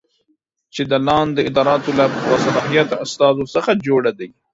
چې د لاندې اداراتو له باصلاحیته استازو څخه جوړه دی